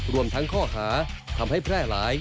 รวมทั้งข้อหาทำให้แพร่หลาย